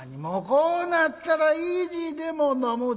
こうなったら意地でも飲むで」。